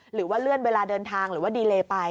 หรือว่าเลื่อนเวลาเดินทางหรือว่าดีเลไป